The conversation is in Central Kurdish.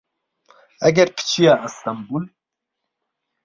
ئەگەر پچیە ئەستەمبول